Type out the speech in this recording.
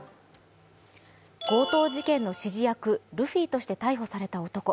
強盗事件の指示役・ルフィとして逮捕された男。